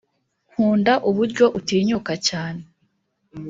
nkunda uburyo utinyuka cyane